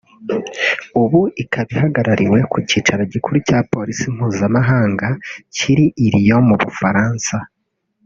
ubu ikaba ihagarariwe ku cyicaro gikuru cya Polisi mpuzamahanga kiri i Lyon mu Bufaransa